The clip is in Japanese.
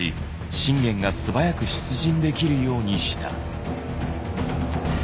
信玄が素早く出陣できるようにした。